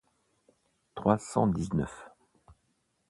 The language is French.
trois cent dix-neuf.